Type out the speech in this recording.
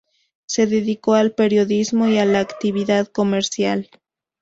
Se dedicó al periodismo y a la actividad comercial.